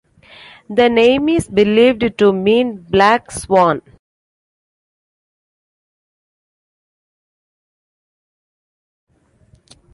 The name is believed to mean black swan.